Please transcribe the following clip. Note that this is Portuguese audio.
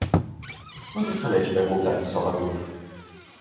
Quando a Salete vai voltar de Salvador?